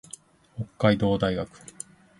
北海道大学